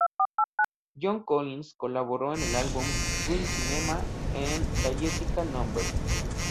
John Collins colaboró en el álbum "Twin Cinema" en "The Jessica Numbers".